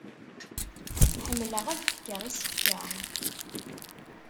Ḥemmleɣ ad fkeɣ isefka.